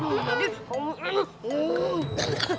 jadi kalau ini